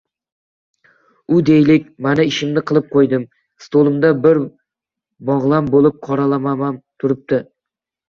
U, deylik, Mana, ishimni qilib qoʻydim, stolimda bir bogʻlam boʻlib qoralamam turibdi